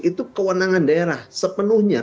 itu kewenangan daerah sepenuhnya